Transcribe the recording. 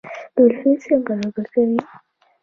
ډولفین څنګه لوبه کوي؟